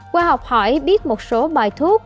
qua học hỏi biết một số bài thuốc